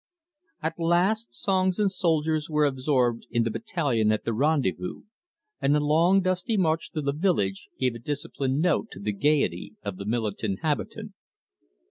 At last songs and soldiers were absorbed in the battalion at the rendezvous, and the long dusty march to the village gave a disciplined note to the gaiety of the militant habitant.